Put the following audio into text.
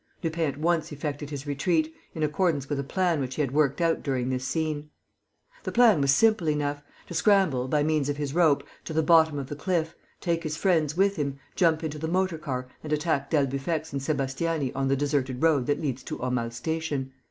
Lupin at once effected his retreat, in accordance with a plan which he had worked out during this scene. The plan was simple enough: to scramble, by means of his rope, to the bottom of the cliff, take his friends with him, jump into the motor car and attack d'Albufex and Sébastiani on the deserted road that leads to Aumale Station.